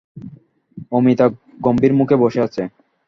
অমিতা গম্ভীর মুখে বসে আছে।